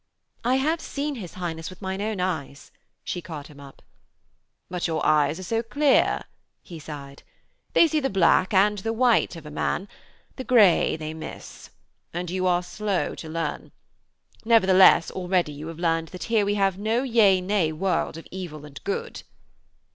'I have seen his Highness with mine own eyes,' she caught him up. 'But your eyes are so clear,' he sighed. 'They see the black and the white of a man. The grey they miss. And you are slow to learn. Nevertheless, already you have learned that here we have no yea nay world of evil and good....'